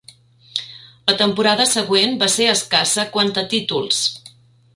La temporada següent va ser escassa quant a títols.